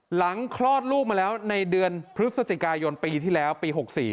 คลอดลูกมาแล้วในเดือนพฤศจิกายนปีที่แล้วปี๖๔